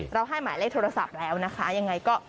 ให้หมายเลขโทรศัพท์แล้วนะคะยังไงก็